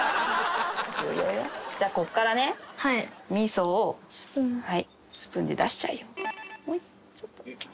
じゃあここからね味噌をスプーンで出しちゃう。